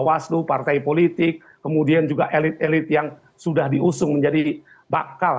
kemudian juga elit elit yang sudah diusung menjadi bakal kemudian juga elit elit yang sudah diusung menjadi bakal